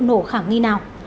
nổ khả nghi nào